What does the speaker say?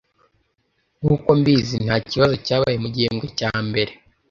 Nkuko mbizi, ntakibazo cyabaye mugihembwe cya mbere.